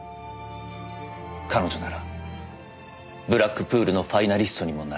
彼女ならブラックプールのファイナリストにもなれる。